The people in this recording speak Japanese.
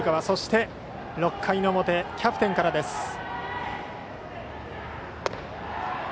そして、６回の表はキャプテンからです。